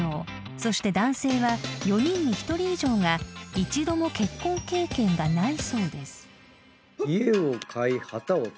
［そして男性は４人に１人以上が一度も結婚経験がないそうです］